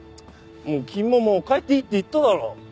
君ももう帰っていいって言っただろ。